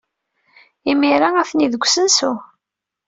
Imir-a, atni deg usensu.